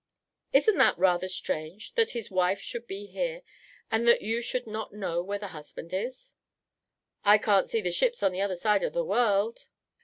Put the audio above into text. "Isn't that rather strange, that his wife should be here, and that you should not know where the husband is?" "I can't see the ships on the other side of the world."